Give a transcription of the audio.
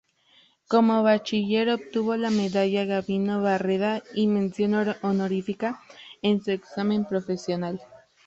Como bachiller, obtuvo la Medalla Gabino Barreda y Mención Honorífica en su examen profesional.